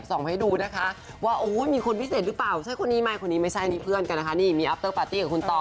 จัดย้าวตั้งแต่บ้านแถวนู้น